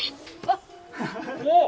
あっ。